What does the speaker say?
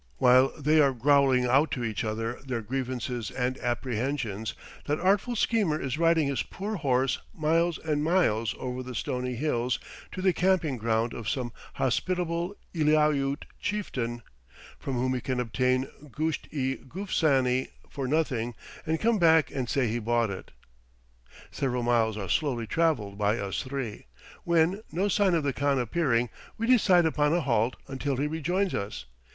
While they are growling out to each other their grievances and apprehensions, that artful schemer is riding his poor horse miles and miles over the stony hills to the camping ground of some hospitable Eliaute chieftain, from whom he can obtain goosht i goosfany for nothing, and come back and say he bought it. Several miles are slowly travelled by us three, when, no sign of the khan appearing, we decide upon a halt until he rejoins us.